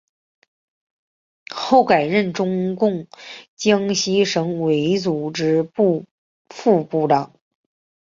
后改任中共江西省委组织部副部长。